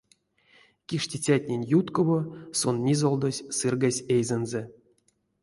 Киштицятнень юткова сон мизолдозь сыргась эйзэнзэ.